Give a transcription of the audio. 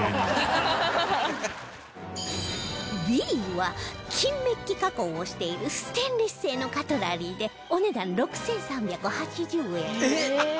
Ｂ は金メッキ加工をしているステンレス製のカトラリーでお値段６３８０円